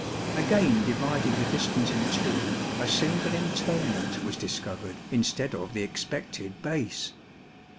Again dividing the distance in two, a single interment was discovered instead of the expected base.